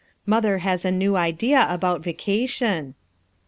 Mother lias a new idea about vacation."